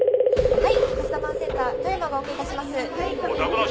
はい！